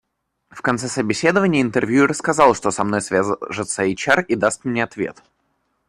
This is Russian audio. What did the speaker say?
В конце собеседования интервьюер сказал, что со мной свяжется HR и даст мне ответ.